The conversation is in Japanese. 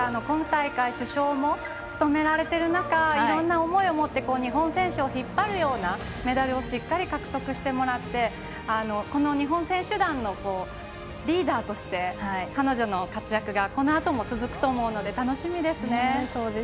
今大会、主将も務められている中いろいろな思いをもって日本選手を引っ張るようなメダルをしっかり獲得してもらってこの日本選手団のリーダーとして彼女の活躍がこのあとも続くと思うので楽しみですね。